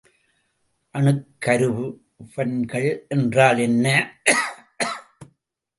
அணுக்கருவன்கள் என்றால் என்ன?